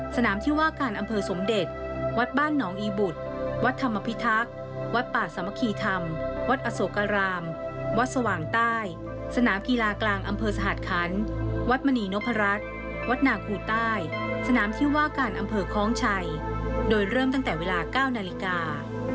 สนามที่ว่าการอำเภอสมเด็จวัดบ้านหนองอีบุตรวัดธรรมพิทักษ์วัดป่าสามัคคีธรรมวัดอโศการามวัดสว่างใต้สนามกีฬากลางอำเภอสหัสคันวัดมณีนพรัชวัดนางอูใต้สนามที่ว่าการอำเภอคล้องชัยโดยเริ่มตั้งแต่เวลา๙นาฬิกา